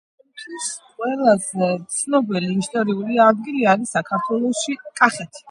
ყველაზე ცნობილი ისტორიული ადგილი არის საქართველოში კახეთი